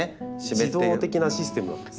自動的なシステムなんです。